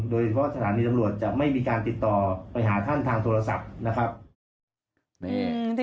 สถานีตำรวจจะไม่มีการติดต่อไปหาท่านทางโทรศัพท์นะครับ